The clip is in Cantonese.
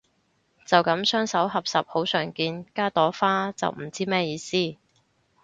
就噉雙手合十好常見，加朵花就唔知咩意思